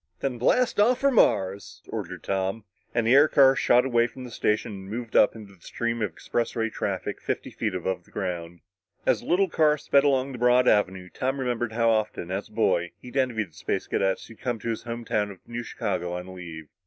"Then blast off for Mars!" ordered Tom, and the air car shot away from the station and moved up into the stream of expressway traffic fifty feet above the ground. As the little car sped along the broad avenue, Tom remembered how often, as a boy, he'd envied the Space Cadets who'd come to his home town of New Chicago on leave.